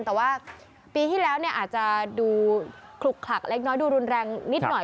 แต่ว่าปีที่แล้วเนี่ยอาจจะดูขลุกขลักเล็กน้อยดูรุนแรงนิดหน่อย